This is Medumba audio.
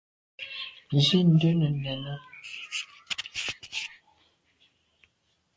Zin nde nène.